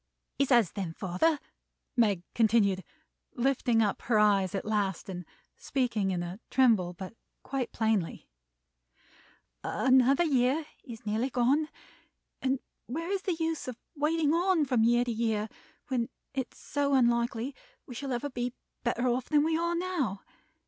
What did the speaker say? "He says then, father," Meg continued, lifting up her eyes at last, and speaking in a tremble, but quite plainly; "another year is nearly gone, and where is the use of waiting on from year to year, when it is so unlikely we shall ever be better off than we are now?